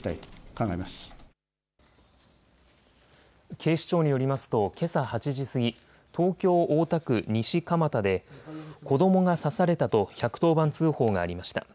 警視庁によりますとけさ８時過ぎ東京大田区西蒲田で子どもが刺されたと１１０番通報がありました。